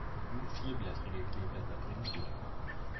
Nur vierblättrige Kleeblätter bringen Glück.